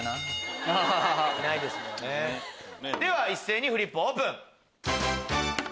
では一斉にフリップオープン。